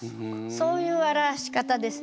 そういう表し方ですね。